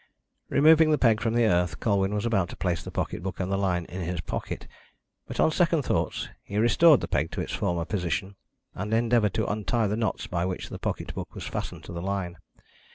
Removing the peg from the earth, Colwyn was about to place the pocket book and the line in his pocket, but on second thoughts he restored the peg to its former position, and endeavoured to untie the knots by which the pocket book was fastened to the line.